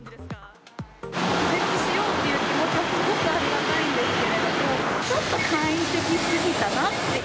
設置しようっていう気持ちはすごくありがたいんですけれども、ちょっと簡易的すぎたなって。